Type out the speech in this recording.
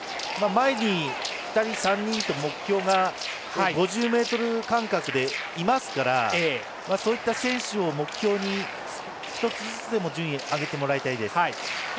前に２人、３人と目標が５０ｍ間隔でいますからそういった選手を目標に１つずつでも順位を上げてもらいたいです。